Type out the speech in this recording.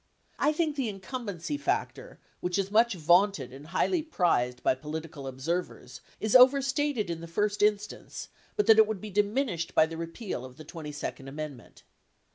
I think the incumbency factor which is much vaunted and highly prized by political observers is overstated in the first instance, but that it would be diminished by the repeal of the 22d amendment.